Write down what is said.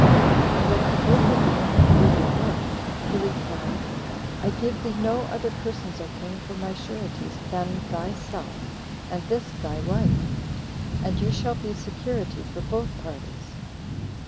And when he bid him name them who they were, he replied, "I give thee no other persons, O king, for my sureties, than thyself, and this thy wife; and you shall be security for both parties."